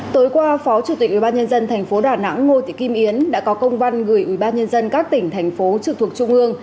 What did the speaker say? tối qua phó chủ tịch ubnd tp đà nẵng ngô tị kim yến đã có công văn gửi ubnd các tỉnh thành phố trực thuộc trung ương